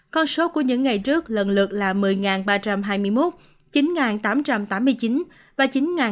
con số của những ngày trước lần lượt là một mươi ba trăm hai mươi một chín tám trăm tám mươi chín và chín năm trăm ba mươi một